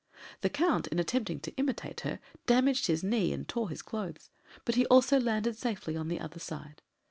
The Count, in attempting to imitate her, damaged his knee and tore his clothes, but he also landed safely on the other side.